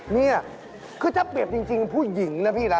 นี่คือถ้าเปรียบจริงผู้หญิงนะพี่นะ